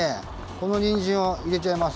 このにんじんをいれちゃいます。